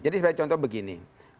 jadi sebagai contoh begini